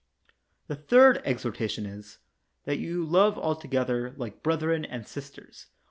The third exhortation is: That you love alto gether like brethren and sisters.